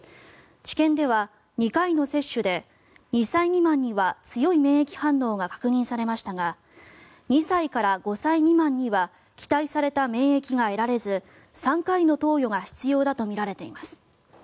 治験では２回の接種で２歳未満には強い免疫反応が確認されましたが２歳から５歳未満には期待された免疫が得られず３回の投与が必要だとみられています。